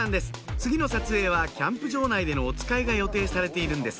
次の撮影はキャンプ場内でのおつかいが予定されているんです